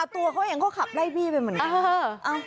ตัวเขาเองก็ขับไล่บี้ไปเหมือนกัน